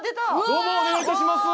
どうもお願いいたします！